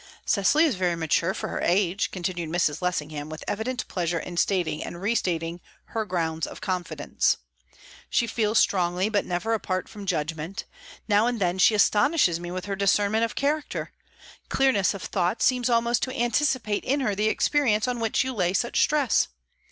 "Cecily is very mature for her age," continued Mrs. Lessingham, with evident pleasure in stating and restating her grounds of confidence. "She feels strongly, but never apart from judgment. Now and then she astonishes me with her discernment of character; clearness of thought seems almost to anticipate in her the experience on which you lay such stress.